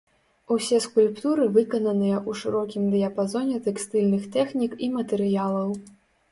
Усе скульптуры выкананыя ў шырокім дыяпазоне тэкстыльных тэхнік і матэрыялаў.